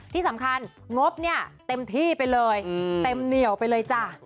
ที่สำคัญงบเนี่ยเต็มที่ไปเลยเต็มเหนียวไปเลยจ้ะ